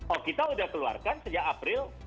oh kita sudah keluarkan sejak april